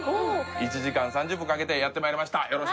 １時間３０分かけてやってまいりました